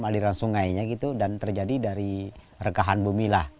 aliran sungainya gitu dan terjadi dari rekahan bumilah